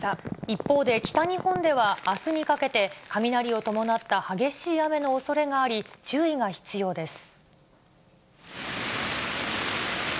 一方で、北日本ではあすにかけて、雷を伴った激しい雨のおそれがあり、注意が必要です。